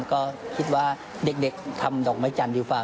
ก็คิดว่าเด็กทำดอกไม้จันทร์ดีกว่า